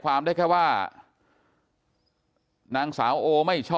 กลุ่มตัวเชียงใหม่